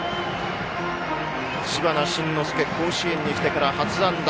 知花慎之助甲子園に来てから初安打。